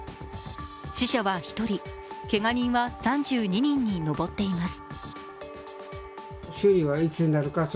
死者は１人、けが人は３２人に上っています。